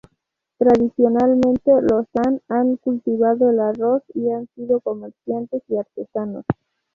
Tradicionalmente los shan han cultivado el arroz y han sido comerciantes y artesanos.